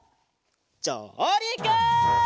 じょうりく！